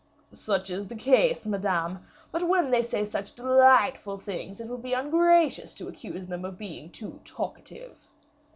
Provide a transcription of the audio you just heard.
"Such is the case, Madame; but when they say such delightful things, it would be ungracious to accuse them of being too talkative."